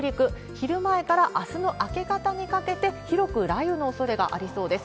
昼前からあすの明け方にかけて、広く雷雨のおそれがありそうです。